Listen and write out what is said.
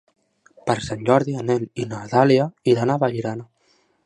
Per Sant Jordi en Nel i na Dàlia iran a Vallirana.